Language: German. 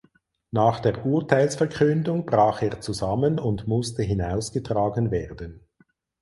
Nach der Urteilsverkündung brach er zusammen und musste hinausgetragen werden.